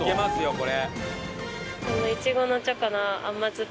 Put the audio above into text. これ。